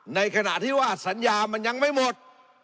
ในขณะที่ว่าสัญญามันยังไม่หมด